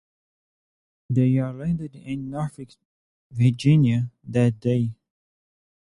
They were landed at Norfolk, Virginia, that day.